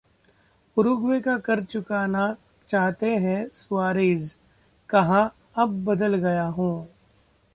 Uruguay का कर्ज चुकाना चाहते हैं सुआरेज, कहा- अब बदल गया हूं